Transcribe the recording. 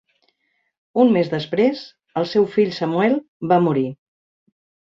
Un mes després, el seu fill Samuel va morir.